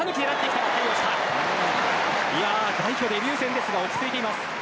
森下、代表デビュー戦ですが落ち着いています。